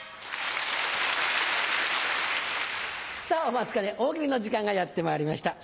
お待ちかね大喜利の時間がやってまいりました。